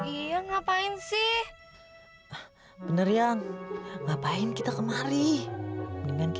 iya kamu kan harusnya datang ke rumah aku